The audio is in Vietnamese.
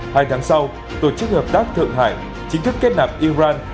hai tháng sau tổ chức hợp tác thượng hải chính thức kết nạp iran